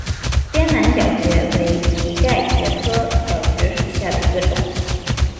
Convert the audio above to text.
滇南角蕨为蹄盖蕨科角蕨属下的一个种。